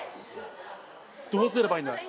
どうすればいいんだ。